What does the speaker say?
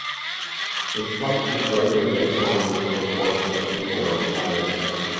A slightly greater than average proportion of people are retired.